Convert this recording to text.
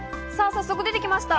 早速出てきました。